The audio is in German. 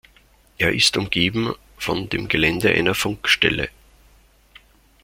Er ist umgeben von dem Gelände einer Funkstelle.